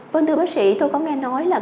vâng thưa bác sĩ tôi có nghe nói là